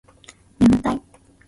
眠たい